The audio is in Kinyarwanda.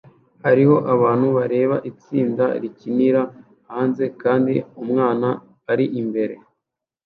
Hariho abantu bareba itsinda rikinira hanze kandi umwana ari imbere